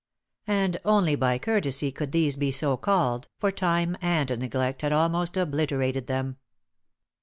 And only by courtesy could these be so called, for time and neglect had almost obliterated them.